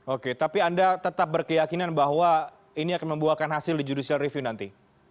oke tapi anda tetap berkeyakinan bahwa ini akan membuahkan hasil di judicial review nanti